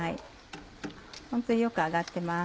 本当によく揚がってます。